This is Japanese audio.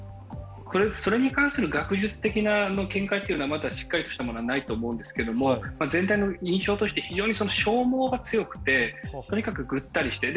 それに関しての学術的な見解というのはまだしっかりしたものはないと思うんですけど全体の印象として非常に消耗が強くてとにかくぐったりしている。